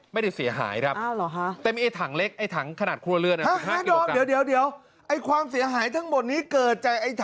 ไม่ได้เสียหายครับเเต็มถังเล็กถังขนาดครัวเลือด